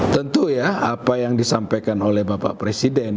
tentu ya apa yang disampaikan oleh bapak presiden